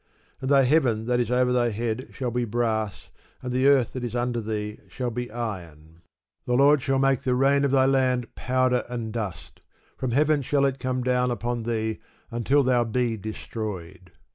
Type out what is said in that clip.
And thy heaven that is over thy head shall be brass, and the earth that is under thee shall be iron. The Lord shall make the rain of thy land powder and dust: from heaven shall it come down upon thee, until thou be destroyed.